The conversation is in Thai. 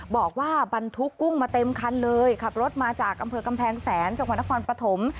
บอกว่าบรรทุกกุ้งมาเต็มคันเลยขับรถมาจากอำเภอกำแพงแสนจังหวัดนครปฐม